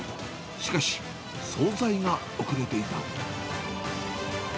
しかし、総菜が遅れていた。